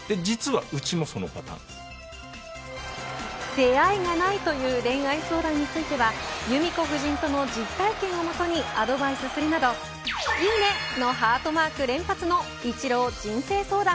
出会いがないという恋愛相談については弓子夫人との実体験をもとにアドバイスするなどいいね、のハートマーク連発のイチロー人生相談。